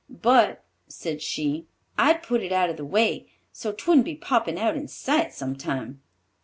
"But," said she, "I'd put it out of the way, so 'twouldn't be poppin' out in sight some time."